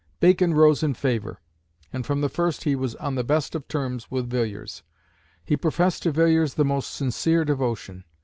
Bacon rose in favour; and from the first he was on the best of terms with Villiers. He professed to Villiers the most sincere devotion.